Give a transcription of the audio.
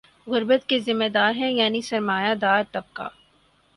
غربت کے ذمہ دار ہیں یعنی سر ما یہ دار طبقہ